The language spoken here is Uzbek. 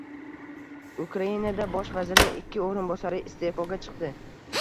Ukrainada bosh vazirning ikki o‘rinbosari iste’foga chiqdi